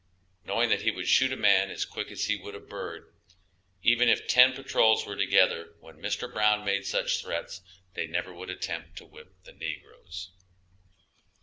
Knowing that he would shoot a man as quick as he would a bird, even if ten patrols were together, when Mr. Brown made such threats, they never would attempt to whip the negroes.